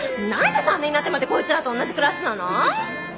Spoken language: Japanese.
何で３年になってまでこいつらと同じクラスなの？